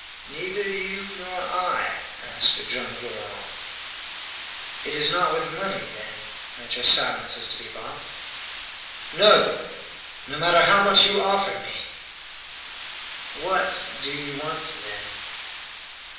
"Neither you nor I?" asked Joam Garral. "It is not with money, then, that your silence is to be bought?" "No! No matter how much you offered me!" "What do you want, then?"